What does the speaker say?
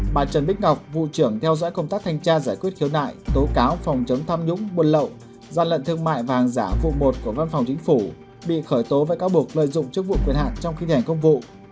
bà trần bích ngọc vụ trưởng theo dõi công tác thanh tra giải quyết khiếu nại tố cáo phòng chống tham nhũng buôn lậu gian lận thương mại và hàng giả vụ một của văn phòng chính phủ bị khởi tố với các bộ lợi dụng chức vụ quyền hạn trong khi thi hành công vụ